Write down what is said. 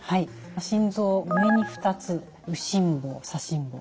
心臓上に２つ右心房左心房。